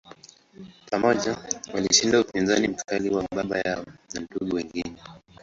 Pamoja, walishinda upinzani mkali wa baba yao na ndugu wengine.